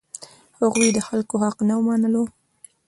هغوی د خلکو حق نه منلو.